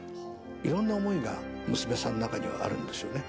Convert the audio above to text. いろんな思いが娘さんの中にはあるんでしょうね。